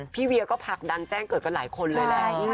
เวียก็ผลักดันแจ้งเกิดกันหลายคนเลยแหละ